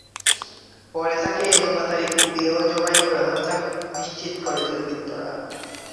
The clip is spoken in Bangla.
পরে তাঁকে এলোপাতাড়ি কুপিয়ে ও জবাই করে হত্যা নিশ্চিত করে দুর্বৃত্তরা।